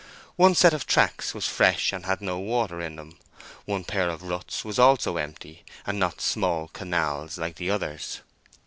One set of tracks was fresh and had no water in them; one pair of ruts was also empty, and not small canals, like the others.